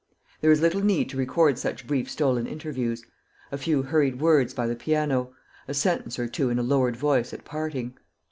There is little need to record such brief stolen interviews a few hurried words by the piano, a sentence or two in a lowered voice at parting.